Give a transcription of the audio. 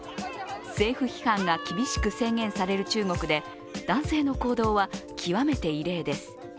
政府批判が厳しく制限される中国で、男性の行動は極めて異例です。